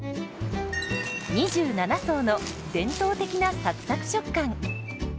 ２７層の伝統的なサクサク食感。